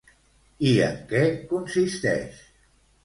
I en què consisteix?